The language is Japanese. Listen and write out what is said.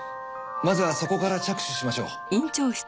まずはそこから着手しましょう。